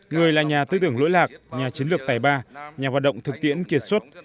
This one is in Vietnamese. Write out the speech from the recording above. người là nhà tư tưởng lỗi lạc nhà chiến lược tài ba nhà hoạt động thực tiễn kiệt xuất